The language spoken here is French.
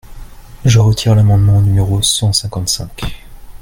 Je retire l’amendement numéro cent cinquante-cinq.